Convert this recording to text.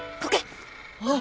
あっ！